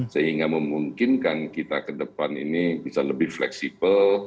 sehingga memungkinkan kita ke depan ini bisa lebih fleksibel